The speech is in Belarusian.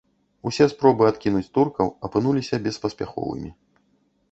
Усе спробы адкінуць туркаў апынуліся беспаспяховымі.